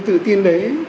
cái tự tin đấy